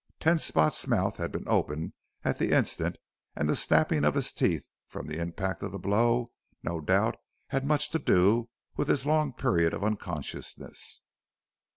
Ten Spot's mouth had been open at the instant and the snapping of his teeth from the impact of the blow no doubt had much to do with his long period of unconsciousness.